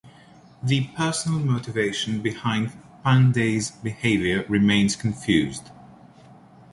The personal motivation behind Pandey's behaviour remains confused.